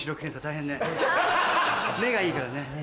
目がいいからね。